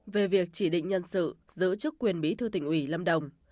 về việc chỉ định nhân sự giữ chức quyền bí thư tỉnh ủy lâm đồng